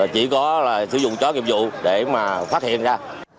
chỉ có là sử dụng chó nghiệp vụ để mà phát hiện ra